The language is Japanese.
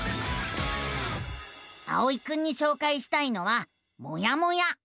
あおいくんにしょうかいしたいのは「もやモ屋」。